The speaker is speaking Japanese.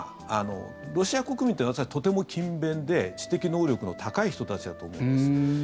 ロシア国民というのは私は、とても勤勉で知的能力の高い人たちだと思うんです。